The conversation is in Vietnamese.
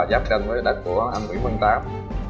giáp tranh với đất của anh nguyễn văn tám